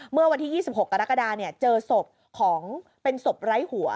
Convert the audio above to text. เมื่อวันที่๒๖กรกฎาเจอศพของเป็นศพไร้หัว